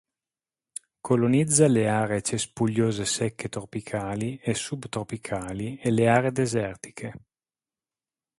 Colonizza le aree cespugliose secche tropicali e subtropicali e le aree desertiche.